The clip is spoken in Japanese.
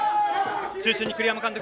中心に栗山監督。